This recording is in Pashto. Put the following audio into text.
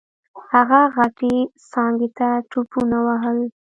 هغه غټې څانګې ته ټوپونه ووهل.